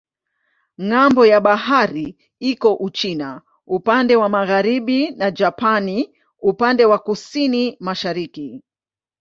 Ng'ambo ya bahari iko Uchina upande wa magharibi na Japani upande wa kusini-mashariki.